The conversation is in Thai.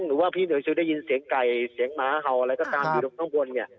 หรือว่าพี่เหนือจะได้ยินเสียงไก่เสียงม้าเห่าอะไรต่างอยู่ตรงข้างบน